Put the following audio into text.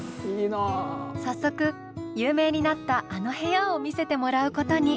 早速有名になったあの部屋を見せてもらうことに。